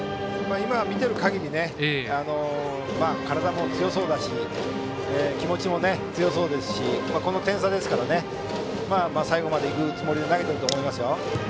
見ている限り体も強そうだし気持ちも強そうですしこの点差ですから最後まで行くつもりで投げていると思います。